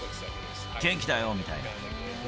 元気だよ、みたいな。